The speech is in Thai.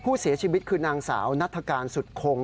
ผู้เสียชีวิตคือนางสาวนัฐกาลสุดคง